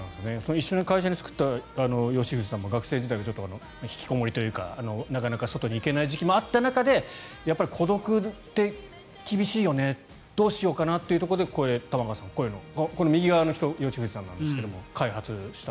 一緒に会社を作った吉藤さんも学生時代はひきこもりというかなかなか外に行けない時期もあった中で孤独って厳しいよねどうしようかなというところでこれを右側の人が吉藤さんなんですけど開発をした。